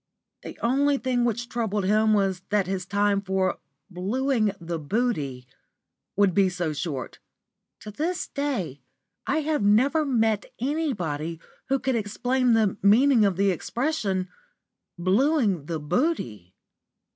The only thing which troubled him was that his time for "blueing the booty" would be so short. To this day I have never met anybody who could explain the meaning of the expression "blueing the booty."